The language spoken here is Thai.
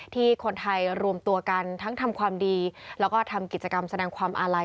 ที่คนไทยรวมตัวกันทั้งทำความดีแล้วก็ทำกิจกรรมแสดงความอาลัย